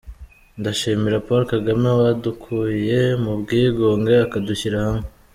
Ndashimira Paul Kagame wadukuye mu bwigunge akadushyira hamwe.